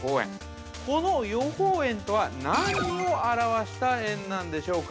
この予報円とは、何を表した円なんでしょうか。